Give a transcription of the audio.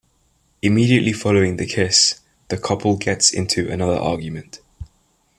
Immediately following the kiss, the couple gets into another argument.